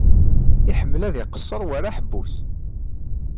Iḥemmel ad iqesser war aḥebbus.